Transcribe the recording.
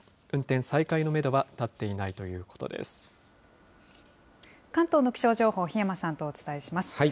運転再開のメドは立っていないと関東の気象情報、檜山さんとお伝えします。